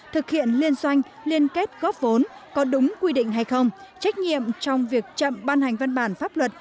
thực hiện liên doanh liên kết góp vốn có đúng quy định hay không trách nhiệm trong việc chậm ban hành văn bản pháp luật